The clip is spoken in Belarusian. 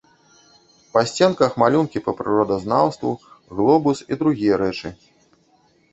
Па сценках малюнкі па прыродазнаўству, глобус і другія рэчы.